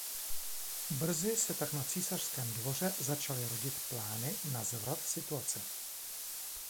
Brzy se tak na císařském dvoře začaly rodit plány na zvrat situace.